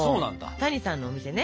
谷さんのお店ね